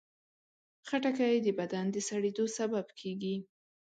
خټکی د بدن د سړېدو سبب کېږي.